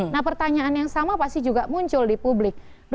nah pertanyaan yang sama pasti juga muncul di publik